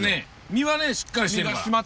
身はしっかりしてるから。